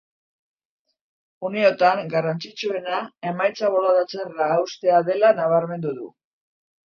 Uneotan garrantzitsuena emaitza bolada txarra haustea dela nabarmendu du.